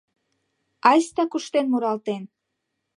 Айста куштен-муралтен